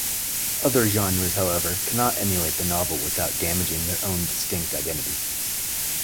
Other genres, however, cannot emulate the novel without damaging their own distinct identity.